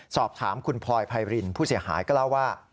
สอบถามคุณพลอยไพรินผู้เสียหายก็เล่าว่า